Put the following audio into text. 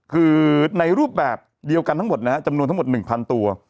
คือในรูปแบบเดียวกันทั้งหมดนะฮะจำนวนทั้งหมด๑๐๐ตัว